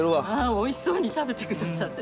おいしそうに食べて下さって。